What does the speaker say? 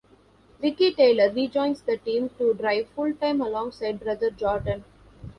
Ricky Taylor rejoins the team to drive full-time alongside brother Jordan.